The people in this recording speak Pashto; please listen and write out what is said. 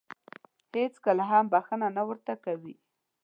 هېڅکله هم بښنه نه ورته کوي .